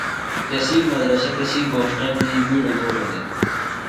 تسی مدرسہ تسی گھوݜٹہ دی بِیڈوۡ دُھورہ دےۡ۔